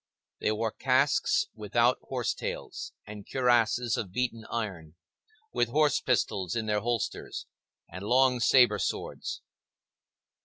They wore casques without horse tails, and cuirasses of beaten iron, with horse pistols in their holsters, and long sabre swords.